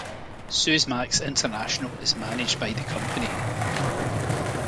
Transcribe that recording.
Suezmax International is managed by the Company.